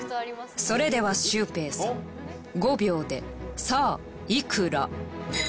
それではシュウペイさん５秒でさあいくら？